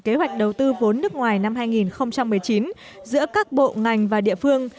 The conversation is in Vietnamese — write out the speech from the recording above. kế hoạch đầu tư vốn nước ngoài năm hai nghìn một mươi chín giữa các bộ ngành và địa phương